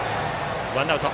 ワンアウト。